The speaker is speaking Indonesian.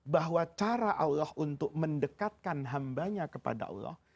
bahwa cara allah untuk mendekatkan hambanya kepada allah